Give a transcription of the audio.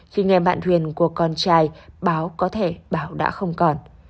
khi nghe bạn thuyền của con trai báo có thể bảo đã không còn